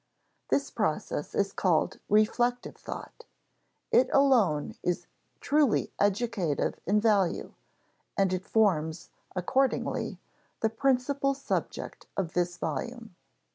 This process is called reflective thought; it alone is truly educative in value, and it forms, accordingly, the principal subject of this volume.